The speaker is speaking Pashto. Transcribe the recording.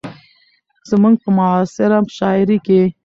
زموږ په معاصره شاعرۍ کې